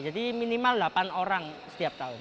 jadi minimal delapan orang setiap tahun